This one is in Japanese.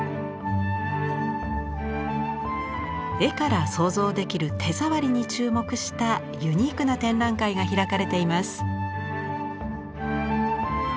絵から想像できる手ざわりに注目したユニークな展覧会が開かれています。